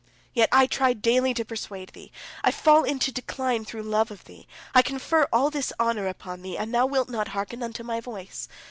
Yet I try daily to persuade thee, I fall into decline through love of thee, I confer all this honor upon thee, and thou wilt not hearken unto my voice!